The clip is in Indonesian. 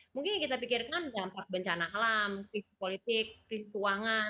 mungkin yang kita pikirkan dampak bencana alam krisis politik krisis keuangan